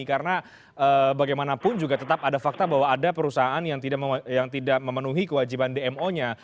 karena bagaimanapun juga tetap ada fakta bahwa ada perusahaan yang tidak memenuhi kewajiban dmo nya